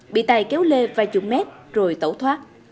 bị tài kéo lê vài chục mét rồi tẩu thoát